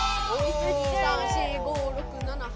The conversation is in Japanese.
１２３４５６７８。